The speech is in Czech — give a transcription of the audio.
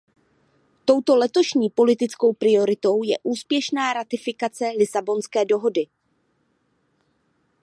Touto letošní politickou prioritou je úspěšná ratifikace Lisabonské dohody.